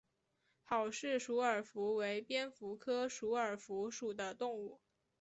郝氏鼠耳蝠为蝙蝠科鼠耳蝠属的动物。